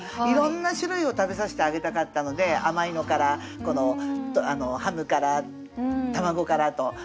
いろんな種類を食べさせてあげたかったので甘いのからハムから卵からと。